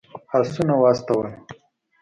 آسونه واستول.